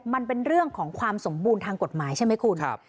มันเป็นเรื่องของความสมบูรณ์ทางกฎหมายใช่ไหมคุณ